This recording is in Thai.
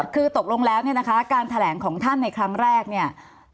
คือตกลงแล้วเนี่ยนะคะการแถลงของท่านในครั้งแรกเนี่ย